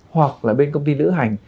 hoặc là bên công ty lữ hành